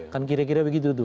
kan kira kira begitu